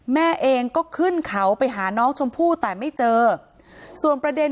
แม่เองก็ขึ้นเขาไปหาน้องชมพู่แต่ไม่เจอส่วนประเด็น